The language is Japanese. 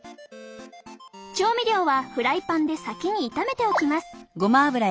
調味料はフライパンで先に炒めておきます。